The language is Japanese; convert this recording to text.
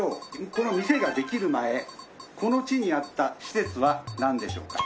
この店ができる前この地にあった施設はなんでしょうか？